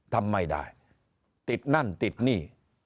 ทำไม่ได้ติดนั่นติดหนี้